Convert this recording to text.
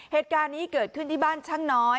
เหตุการณ์นี้เกิดขึ้นที่บ้านช่างน้อย